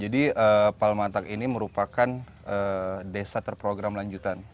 jadi palmatak ini merupakan desa terprogram lanjutan